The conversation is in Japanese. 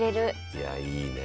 いやいいね。